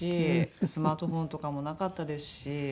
スマートフォンとかもなかったですし